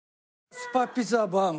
スパピザバーグ。